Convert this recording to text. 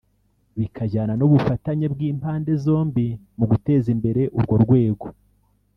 bikajyana n’ubufatanye bw’impande zombi mu guteza imbere urwo rwego